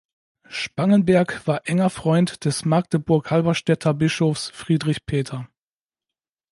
Spangenberg war enger Freund des Magdeburg-Halberstädter Bischofs Friedrich Peter.